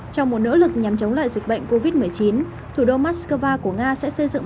trong một nỗ lực nhằm chống lại dịch bệnh covid một mươi chín thủ đô moscow của nga sẽ xây dựng